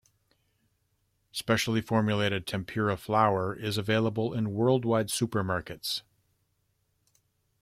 Specially formulated tempura flour is available in worldwide supermarkets.